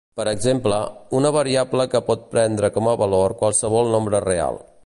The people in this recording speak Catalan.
Per exemple, una variable que pot prendre com a valor qualsevol nombre real.